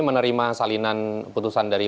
menerima salinan putusan dari